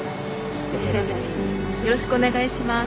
よろしくお願いします。